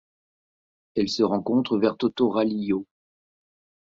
Elle se rencontre vers Totoralillo.